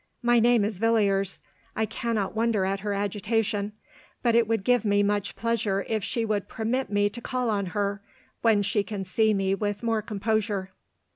My name is Villiers. I can not wonder at her agitation ; but it would give me much pleasure if she would permit me to call on her, when she can see me with more composure."